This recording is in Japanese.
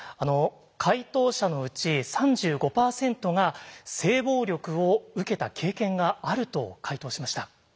回答者のうち３５％が性暴力を受けた経験があると回答しました。